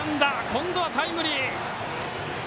今度はタイムリー！